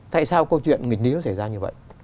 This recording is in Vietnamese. tại sao câu chuyện nghịch lý nó xảy ra như vậy